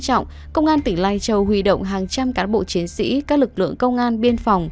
trọng công an tỉnh lai châu huy động hàng trăm cán bộ chiến sĩ các lực lượng công an biên phòng